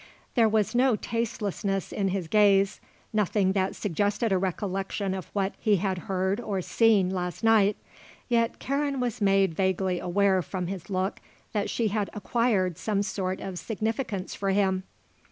There was no tastelessness in his gaze, nothing that suggested a recollection of what he had heard or seen last night; yet Karen was made vaguely aware from his look that she had acquired some sort of significance for him.